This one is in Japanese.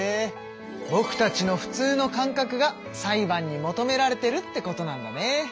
ぼくたちのふつうの感覚が裁判に求められてるってことなんだね。